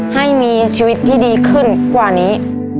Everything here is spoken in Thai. ให้มีชีวิตที่ดีขึ้นกว่านี้